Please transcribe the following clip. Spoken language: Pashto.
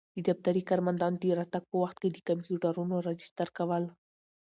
د دفتري کارمندانو د راتګ په وخت کي د کمپیوټرونو راجستر کول.